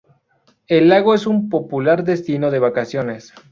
El lago es un popular destino de vacaciones.